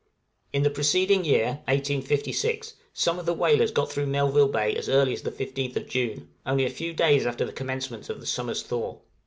In the preceding year (1856) some of the whalers got through Melville Bay as early as the 15th June, only a few days after the commencement of the summer's thaw.